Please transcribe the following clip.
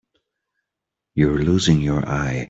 You're losing your eye.